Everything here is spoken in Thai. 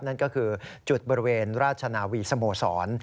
นั่นก็คือจุดบริเวณราชนาวีสโมสร